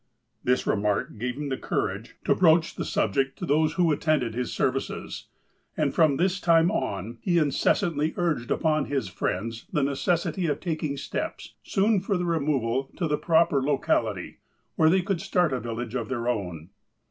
This remark gave him the courage to broach the sub 151 152 THE APOSTLE OF ALASKA ject to those who attended his services, aud, from this time ou, he incessantly urged upon his friends the ne cessity of taking steps soon for removal to the proper locality, where they could start a village of their own.